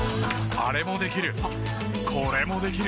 あれもできるこれもできる。